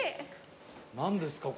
何ですか？